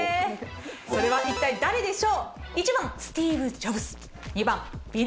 それは一体誰でしょう？